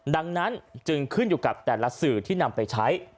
ดังนั้นจึงขึ้นอยู่กับแต่ละสื่อที่นำไปใช้